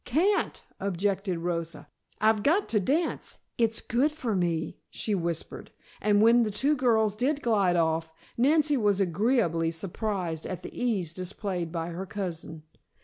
"Can't," objected Rosa. "I've got to dance. It's good for me," she whispered; and when the two girls did glide off, Nancy was agreeably surprised at the ease displayed by her cousin.